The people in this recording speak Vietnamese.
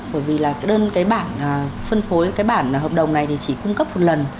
bởi vì là cái đơn cái bản phân phối cái bản hợp đồng này thì chỉ cung cấp một lần